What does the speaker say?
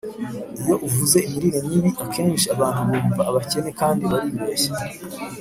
iyo uvuze imirire mibi, akenshi abantu bumva abakene kandi baribeshya